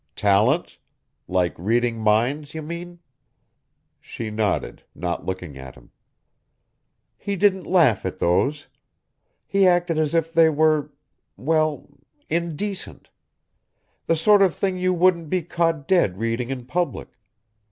"Talents? Like reading minds, you mean?" She nodded, not looking at him. "He didn't laugh at those. He acted as if they were ... well, indecent. The sort of thing you wouldn't be caught dead reading in public.